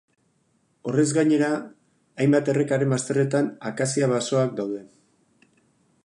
Horrez gainera, hainbat errekaren bazterretan akazia-basoak daude.